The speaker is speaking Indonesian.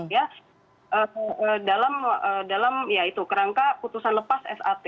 ya dalam kerangka putusan lepas sat